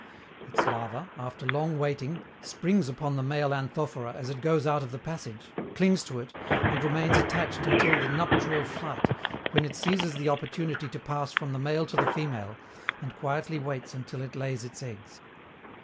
Its larva, after long waiting, springs upon the male Anthophora as it goes out of the passage, clings to it, and remains attached until the "nuptial flight," when it seizes the opportunity to pass from the male to the female, and quietly waits until it lays its eggs.